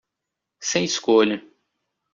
Sem escolha